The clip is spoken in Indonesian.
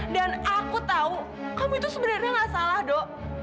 dan aku tahu kamu itu sebenarnya nggak salah do